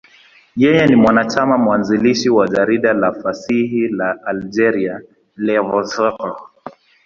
Yeye ni mwanachama mwanzilishi wa jarida la fasihi la Algeria, L'Ivrescq.